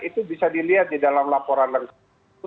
itu bisa dilihat di dalam laporan langsung